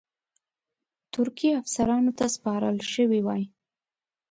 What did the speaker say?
ترکي افسرانو ته سپارل شوی وای.